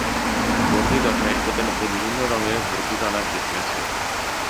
বন্দীদশায় এদের মধ্যে বিভিন্ন রঙের বৈচিত্র্য আনা গেছে।